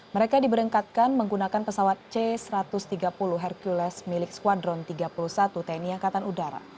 mereka diberangkatkan menggunakan pesawat c satu ratus tiga puluh hercules milik skuadron tiga puluh satu tni angkatan udara